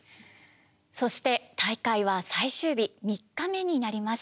そして大会は最終日３日目になりました。